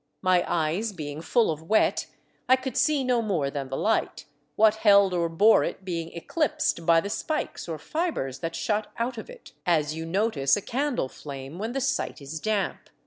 My eyes being full of wet, I could see no more than the light, what held or bore it being eclipsed by the spikes or fibres that shot out of it ; as you notice a candle flame when the sight is damp.